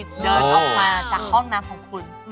เดินออกมาจากห้องน้ำของคุณ